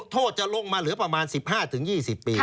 โทษจะลงมาเหลือประมาณ๑๕๒๐ปี